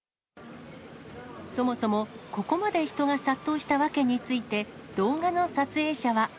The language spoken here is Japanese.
そもそも、ここまで人が殺到した訳について、動画の撮影者は。